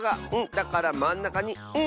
だからまんなかに「ん」。